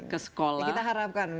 ke sekolah kita harapkan